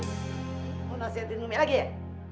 mau nasihatin bumi lagi ya